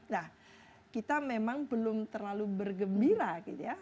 nah kita memang belum terlalu bergembira gitu ya